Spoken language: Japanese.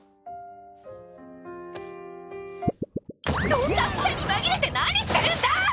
どさくさに紛れて何してるんだ！